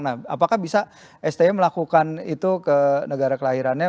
nah apakah bisa sti melakukan itu ke negara kelahirannya